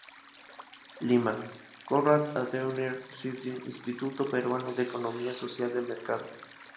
Lima: Konrad Adenauer Stiftung-Instituto Peruano de Economía Social de Mercado.